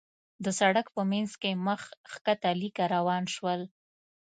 د سړک په مينځ کې مخ کښته ليکه روان شول.